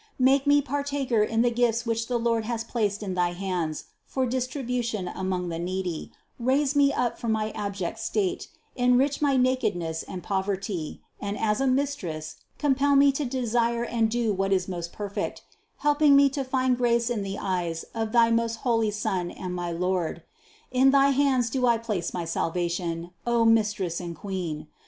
Make me partaker in the gifts which the Lord has placed in thy hands for distribution among the needy, raise me up from my abject state, enrich my nakedness and poverty, and as a Mistress compel me to desire and do what is most perfect, helping me to find grace in the eyes of thy most holy Son and my Lord. In thy hands do I place my salvation, O Mistress and Queen!